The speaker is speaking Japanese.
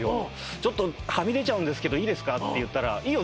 ちょっとはみ出ちゃうんですけどいいですかって言ったらいいよ